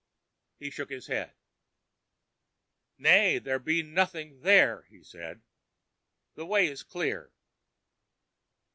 He shook his head. "Nay, there be nothing there," he said. "The way is clear."